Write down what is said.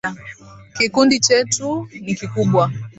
Kikundi chetu ni kikubwa.